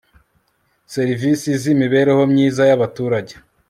serivisi z imibereho myiza y abaturage